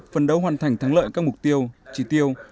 phần đấu hoàn thành thắng lợi các mục tiêu chỉ tiêu